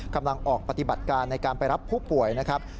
กำลังออกปฏิบัติการในการไปรับผู้ป่วยนะครับ